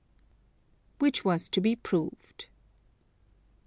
Which was to be proved.